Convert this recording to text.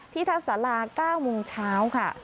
ที่ทศลา๙มงเช้าค่ะ